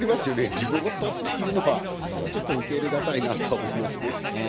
リモートっていうのは、それはちょっと受け入れ難いなと思いますね。